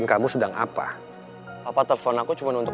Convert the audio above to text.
kalau yang bener bener ya disarung